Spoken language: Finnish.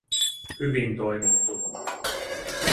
"hyvin toimittu".